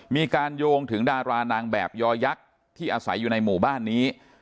มีการโยงถึงดารานางแบบยอยักษ์ที่อาศัยอยู่ในหมู่บ้านนี้